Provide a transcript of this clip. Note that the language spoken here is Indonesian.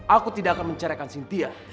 aku tidak akan menceraikan sintia